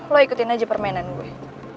lo ikutin aja permainan gue